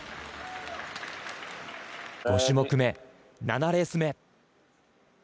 ５種目目、７レース目。